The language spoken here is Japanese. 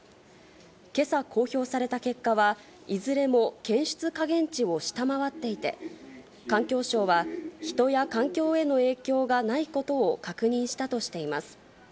けさ公表された結果は、いずれも検出下限値を下回っていて、環境省は、人や環境への影響がないことを確認したとしています。